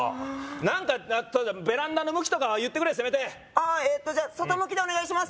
何かベランダの向きとかは言ってくれせめてじゃあ外向きでお願いします